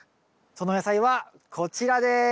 その野菜はこちらです。